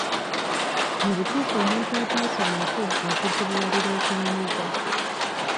Mu butuufu omuntu ataasomako akuzibuwalira okunyumiza.